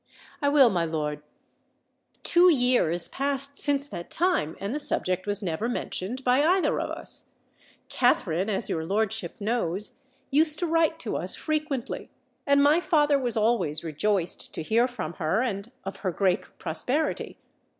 "I will, my lord. Two years passed since that time, and the subject was never mentioned by either of us. Katherine, as your lordship knows, used to write to us frequently; and my father was always rejoiced to hear from her and of her great prosperity.